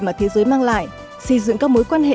mà thế giới mang lại xây dựng các mối quan hệ